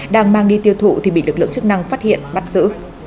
đang mang đi tiêu thụ thì bị lực lượng chức năng phát hiện bắt giữ